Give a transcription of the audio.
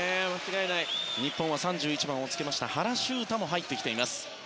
日本は３１番をつけました原修太も入ってきています。